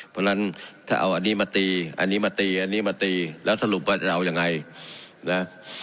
เพราะฉะนั้นถ้าเอาอันนี้มาตีอันนี้มาตีอันนี้มาตีแล้วสรุปว่าจะเอายังไงนะ